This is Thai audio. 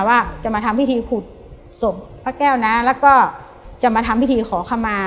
ว่าจะมาทำพิธีขุดศพพระแก้วนะแล้วก็จะมาทำพิธีขอขมา